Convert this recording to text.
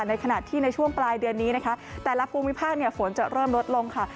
ในขณะที่ในช่วงปลายเดือนนี้นะคะแต่ละภูมิภาคฝนจะเริ่มลดลงค่ะ